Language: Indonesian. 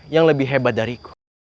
yang lebih hebat dariku